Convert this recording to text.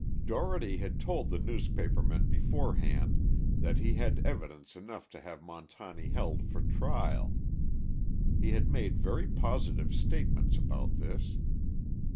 Dougherty had told the newspaper men beforehand that he had evidence enough to have Montani held for trial. He had made very positive statements about this.